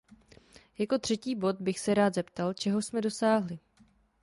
Jako třetí bod bych se rád zeptal, čeho jsme dosáhli.